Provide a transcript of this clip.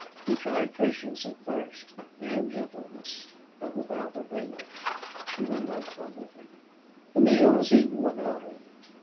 He tried patience at first, and gentleness, but without avail. She would not come with him. The meal was eaten without her.